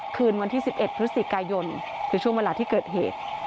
คืนวันที่๑๑พฤศจิกายนคือช่วงเวลาที่เกิดเหตุ